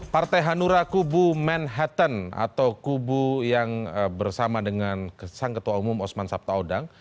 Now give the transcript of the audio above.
partai hanura kubu manhattan atau kubu yang bersama dengan sang ketua umum osman sabtaodang